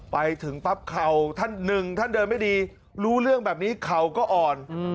ไปถึงปั๊บเข่าท่านหนึ่งท่านเดินไม่ดีรู้เรื่องแบบนี้เข่าก็อ่อน